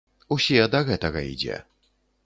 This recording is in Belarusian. Усе да гэтага ідзе.